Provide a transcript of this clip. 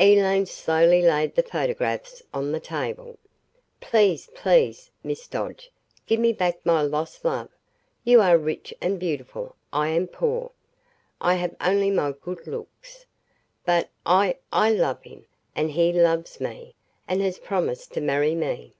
Elaine slowly laid the photographs on the table. "Please please, Miss Dodge give me back my lost love. You are rich and beautiful I am poor. I have only my good looks. But I I love him and he loves me and has promised to marry me."